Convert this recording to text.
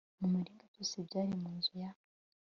mu muringa byose byari mu nzu ya